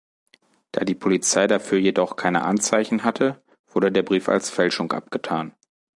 Da die Polizei dafür jedoch keine Anzeichen hatte, wurde der Brief als Fälschung abgetan.